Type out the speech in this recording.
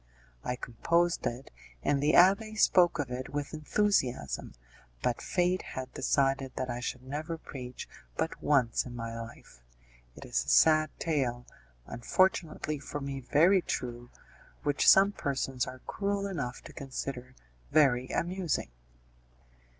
I composed it, and the abbé spoke of it with enthusiasm, but fate had decided that I should never preach but once in my life. It is a sad tale, unfortunately for me very true, which some persons are cruel enough to consider very amusing.